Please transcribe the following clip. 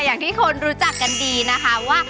อย่างที่คนรู้จักกันดีนะคะว่า